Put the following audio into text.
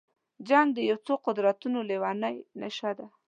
جنګ د یو څو قدرتونو لېونۍ نشه ده.